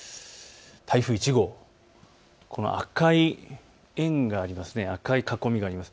台風１号、赤い円がありますね。